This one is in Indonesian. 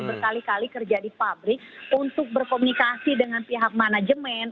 berkali kali kerja di pabrik untuk berkomunikasi dengan pihak manajemen